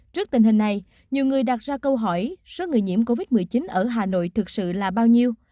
trước tình hình này nhiều người đặt ra câu hỏi số người nhiễm covid một mươi chín ở hà nội thực sự là bao nhiêu